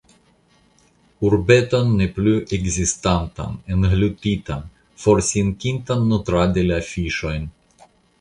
Urbeton ne plu ekzistantan, englutitan, forsinkintan nutradi la fiŝojn.